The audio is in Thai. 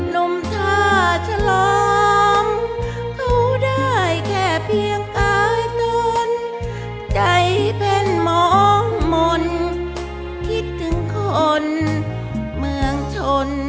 นมท่าฉลามเขาได้แค่เพียงอายสนใจเป็นมองมนต์คิดถึงคนเมืองชน